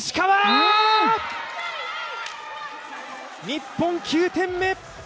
日本、９点目。